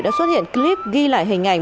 đã xuất hiện clip ghi lại hình ảnh